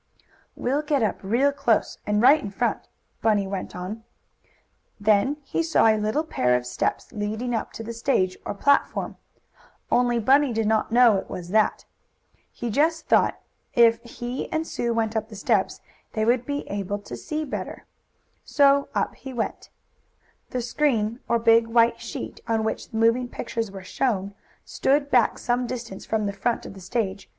"We'll get up real close, and right in front," Bunny went on. Then he saw a little pair of steps leading up to the stage, or platform; only Bunny did not know it was that. He just thought if he and Sue went up the steps they would be better able to see. So up he went. The screen, or big white sheet, on which the moving pictures were shown, stood back some distance from the front of the stage.